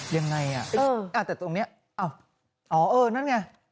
ยังไงอ่ะแต่ตรงนี้อ้าวอ๋อเออนั่นไง